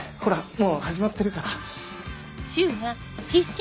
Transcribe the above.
もう始まってるから。